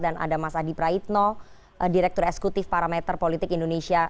dan ada mas adi praitno direktur eksekutif parameter politik indonesia